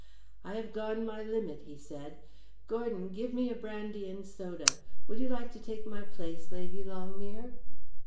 "I have gone to my limit," he said. "Gordon, give me a brandy and soda. Would you like to take my place, Lady Longmere?"